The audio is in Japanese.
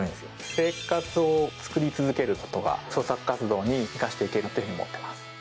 生活をつくり続けることが創作活動に生かして行けるというふうに思ってます。